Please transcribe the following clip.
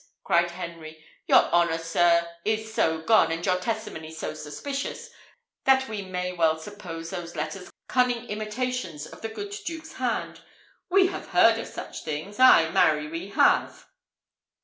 cried Henry. "Your honour, sir, is so gone, and your testimony so suspicious, that we may well suppose those letters cunning imitations of the good duke's hand. We have heard of such things ay, marry have we."